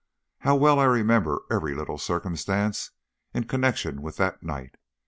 How well I remember every little circumstance in connection with that night!